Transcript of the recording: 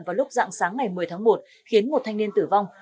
vào lúc dạng sáng ngày một mươi tháng một khiến một thanh niên tử vong